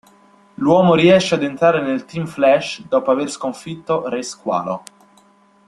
L'uomo riesce ad entrare nel Team Flash dopo aver sconfitto Re Squalo.